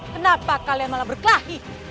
kenapa kalian malah berkelahi